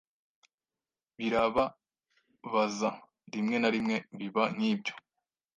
Birababaza rimwe na rimwe biba nkibyo